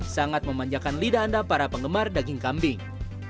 sangat memanjakan lidah anda para penggemar daging kambing